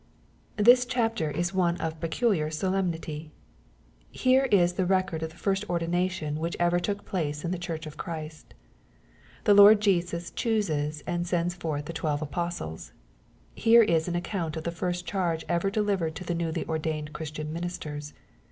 This chapter is one of peculiar solemnity. Here is the record of the first ordination which ever took place in the church of Christ. The Lord Jesus chooses and sends forth the twelve apostles. — Here is an account of the first charge ever delivered to newly ordained Christian minis* ters.